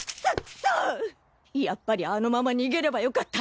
やっぱりあのまま逃げればよかった！